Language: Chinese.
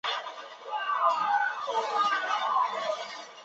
东急多摩川线营运的铁路线。